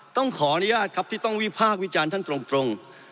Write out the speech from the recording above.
ต้องขออนุญาตครับที่ต้องวิพากษ์วิจารณ์ท่านตรง